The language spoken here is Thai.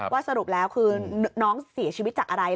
สรุปแล้วคือน้องเสียชีวิตจากอะไร